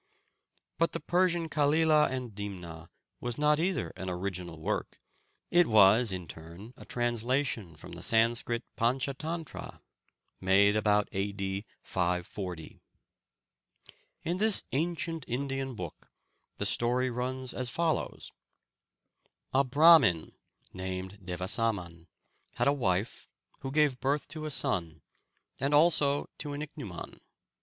But the Persian Kalilah and Dimnah was not either an original work; it was in turn a translation from the Sanskrit Pantschatantra, made about A. D. 540. In this ancient Indian book the story runs as follows: A Brahmin named Devasaman had a wife, who gave birth to a son, and also to an ichneumon.